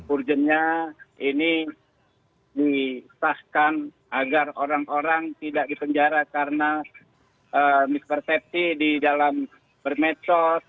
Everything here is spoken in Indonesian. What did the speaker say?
urgentnya ini disahkan agar orang orang tidak dipenjara karena mispersepsi di dalam bermedsos